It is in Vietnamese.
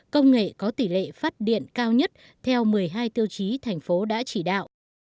công nghệ có tỷ lệ phát điện cao nhất theo một mươi hai tiêu chí thành phố đã chỉ đạo